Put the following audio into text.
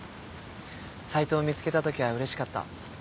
サイトを見つけたときはうれしかった